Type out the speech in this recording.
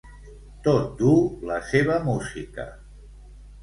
Tot duu la seva música.